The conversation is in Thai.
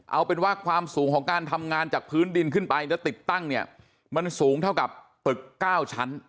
เอาเป็นว่าความสูงของการทำงานจากพื้นดินขึ้นไปแล้วติดตั้งเนี่ยมันสูงเท่ากับตึก๙ชั้น